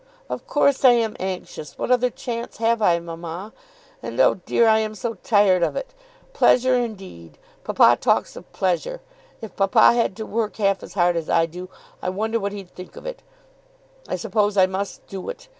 "Of course I am anxious. What other chance have I, mamma? And, oh dear, I am so tired of it! Pleasure, indeed! Papa talks of pleasure. If papa had to work half as hard as I do, I wonder what he'd think of it. I suppose I must do it.